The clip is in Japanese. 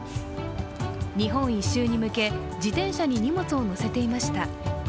日本一周に向け自転車に荷物を載せていました。